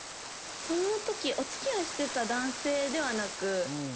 その時お付き合いしてた男性ではなく。